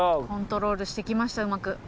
コントロールしてきましたようまく。